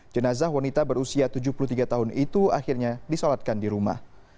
jenazah wanita berusia tujuh puluh tiga tahun itu akhirnya disolatkan di rumah